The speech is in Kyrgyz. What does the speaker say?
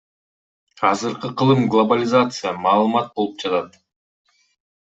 Азыркы кылым глобализация, маалымат болуп жатат.